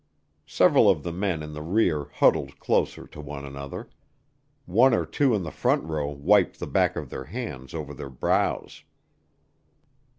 Several of the men in the rear huddled closer to one another. One or two in the front row wiped the back of their hands over their brows.